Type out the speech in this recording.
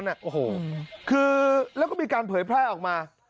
โอ้โหคือแล้วก็มีการเผยแพร่ออกมา